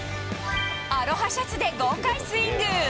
アロハシャツで豪快スイング。